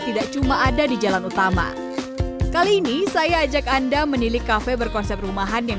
tidak cuma ada di jalan utama kali ini saya ajak anda menilik kafe berkonsep rumahan yang